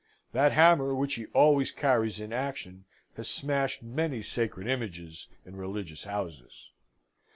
That hammer, which he always carries in action, has smashed many sacred images in religious houses.